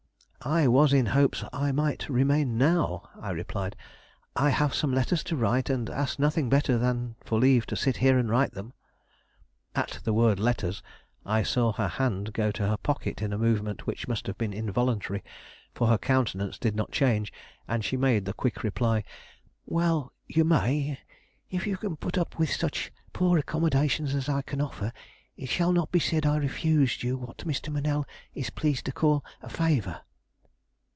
"I was in hopes I might remain now," I replied; "I have some letters to write, and ask nothing better than for leave to sit here and write them." At the word letters I saw her hand go to her pocket in a movement which must have been involuntary, for her countenance did not change, and she made the quick reply: "Well, you may. If you can put up with such poor accommodations as I can offer, it shall not be said I refused you what Mr. Monell is pleased to call a favor."